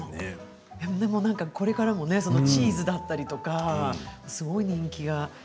これからもチーズだったりすごい人気が。